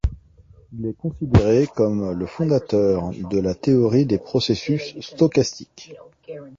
Il est considéré comme le fondateur de la théorie des processus stochastiques.